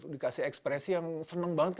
dikasih ekspresi yang senang banget